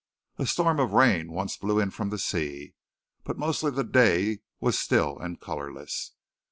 A storm of rain once blew in from the sea, but mostly the day was still and colorless.